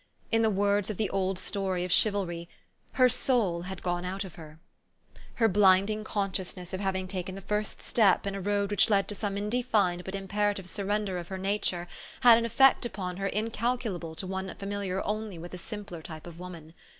In the words of the old story of chivalry, " her soul had gone out of her." Her blinding consciousness of having taken the first step in a road which led to some indefined but im THE STOKY OF AVIS. 185 perative surrender of her nature had an effect upon her incalculable to one familiar only with a simpler type of woman.